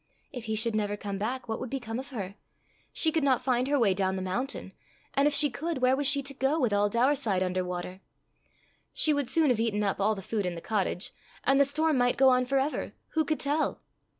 If he should never come back, what would become of her? She could not find her way down the mountain; and if she could, where was she to go, with all Daurside under water? She would soon have eaten up all the food in the cottage, and the storm might go on for ever, who could tell?